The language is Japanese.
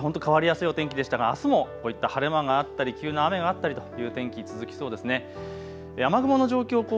きょうは本当、変わりやすいお天気でしたがあすもこういった晴れ間があったり急な雨があったりという天気続きそうですね。